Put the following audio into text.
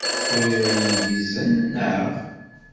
Turiḍ-iyi-d izen, naɣ?